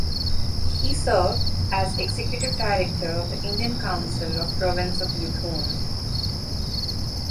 He served as Executive Director of the Indian Council of the Province of Yukon.